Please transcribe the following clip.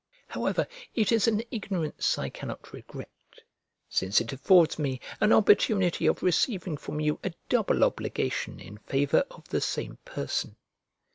However, it is an ignorance I cannot regret, since it affords me an opportunity of receiving from you a double obligation in favour of the same person.